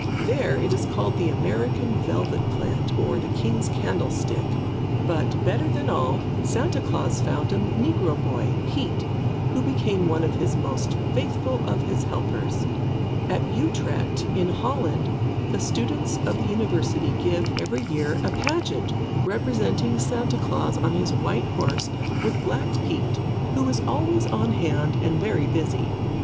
There it is called the American Velvet Plant, or the King's Candlestick. But, better than all, Santa Klaas found a negro boy, Pete, who became one of the most faithful of his helpers. At Utrecht, in Holland, the students of the University give, every year, a pageant representing Santa Klaas on his white horse, with Black Pete, who is always on hand and very busy.